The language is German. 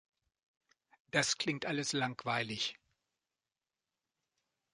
Das klingt alles langweilig!